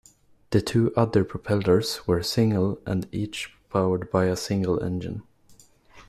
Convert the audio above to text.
The two outer propellers were single and each powered by a single engine.